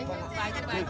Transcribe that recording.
kalau mau buang